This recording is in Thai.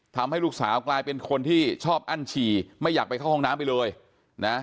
ทำให้ลูกสาวกลายเป็นคนที่ชอบอั้นฉี่ไม่อยากไปเข้าห้องน้ำไปเลยนะ